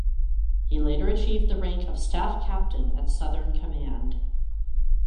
He later achieved the rank of Staff Captain at Southern Command.